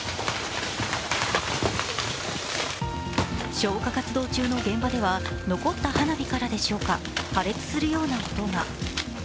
消火活動中の現場では残った花火からでしょうか、破裂するような音が。